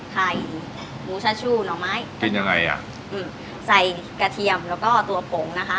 ไข่หมูชาชูหน่อไม้กินยังไงอ่ะอืมใส่กระเทียมแล้วก็ตัวผงนะคะ